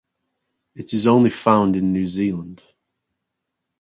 It is only found in New Zealand.